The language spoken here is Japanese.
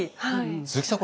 鈴木さん